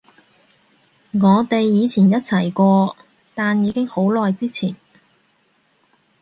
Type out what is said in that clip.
我哋以前一齊過，但已經好耐之前